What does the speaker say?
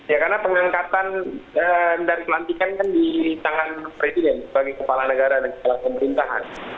ya karena pengangkatan dari pelantikan kan di tangan presiden sebagai kepala negara dan kepala pemerintahan